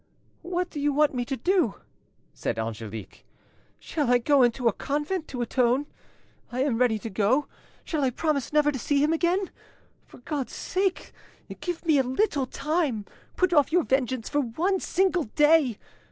"What do you want me to do?" said Angelique. "Shall I go into a convent to atone? I am ready to go. Shall I promise never to see him again? For God's sake, give me a little time; put off your vengeance for one single day!